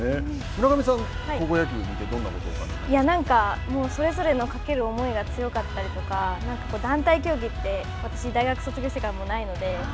村上さん、高校野球を見てなんかそれぞれの懸ける思いが強かったりとか団体競技って私、大学を卒業してないので。